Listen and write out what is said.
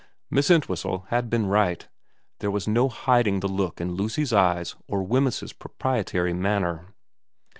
Miss Entwhistle had been right : there was no hiding the look in Lucy's eyes or Wemyss's proprietary manner.